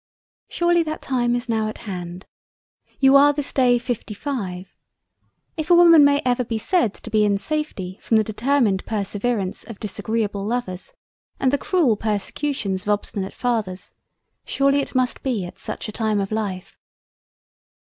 Surely that time is now at hand. You are this day 55. If a woman may ever be said to be in safety from the determined Perseverance of disagreeable Lovers and the cruel Persecutions of obstinate Fathers, surely it must be at such a time of Life.